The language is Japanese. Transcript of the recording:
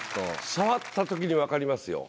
触ったときに分かりますよ。